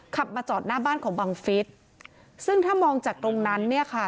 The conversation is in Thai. ขับมาจอดหน้าบ้านของบังฟิศซึ่งถ้ามองจากตรงนั้นเนี่ยค่ะ